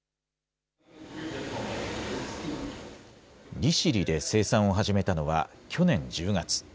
利尻で生産を始めたのは去年１０月。